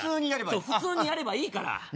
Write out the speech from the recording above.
そう普通にやればいいから２